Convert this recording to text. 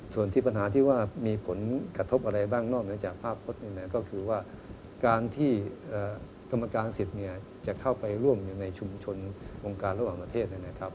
ส่วนที่ปัญหาที่ว่ามีผลกระทบอะไรบ้างนอกเหนือจากภาพพจน์นี่แหละก็คือว่าการที่กรรมการสิทธิ์เนี่ยจะเข้าไปร่วมอยู่ในชุมชนวงการระหว่างประเทศนะครับ